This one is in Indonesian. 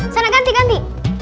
saya mau ganti ganti